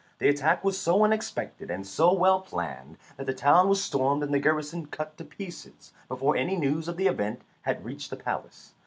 The attack was so unexpected and so well planned that the town was stormed and the garrison cut to pieces before any news of the event had reached the palace.